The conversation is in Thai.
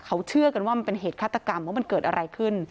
เขาเชื่อกันว่ามันเป็นเหตุฆาตกรรมว่ามันเกิดอะไรขึ้น